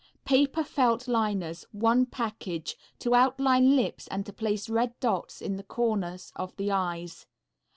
Paper Felt Liners, one package. To outline lips and to place red dots in corners of the eyes.